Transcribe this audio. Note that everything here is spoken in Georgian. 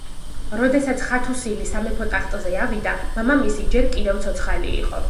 როდესაც ხათუსილი სამეფო ტახტზე ავიდა მამამისი ჯერ კიდევ ცოცხალი იყო.